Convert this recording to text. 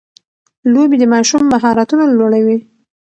لوبې د ماشوم مهارتونه لوړوي.